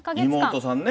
妹さんね。